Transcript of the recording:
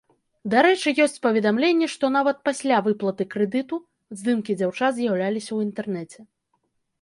Дарэчы, ёсць паведамленні, што нават пасля выплаты крэдыту здымкі дзяўчат з'яўляліся ў інтэрнэце.